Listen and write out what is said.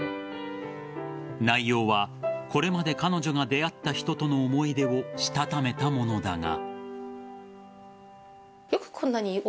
内容はこれまで彼女が出会った人との思い出をしたためたものだが。